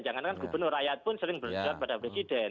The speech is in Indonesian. janganlah gubernur rakyat pun sering bersurah kepada presiden